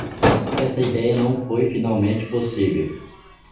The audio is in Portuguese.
Esta ideia não foi finalmente possível.